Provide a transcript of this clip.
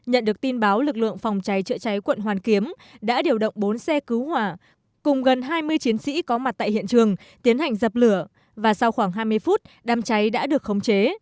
hàng nón đã điều động bốn xe cứu hỏa cùng gần hai mươi chiến sĩ có mặt tại hiện trường tiến hành dập lửa và sau khoảng hai mươi phút đám cháy đã được khống chế